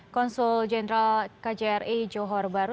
konsul jenderal kjri johor baru